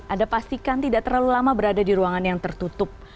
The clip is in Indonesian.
anda pastikan tidak terlalu lama berada di ruangan yang tertutup